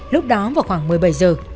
lúc đó vào khoảng một mươi bảy h